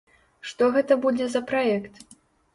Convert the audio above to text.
Што гэта будзе за праект?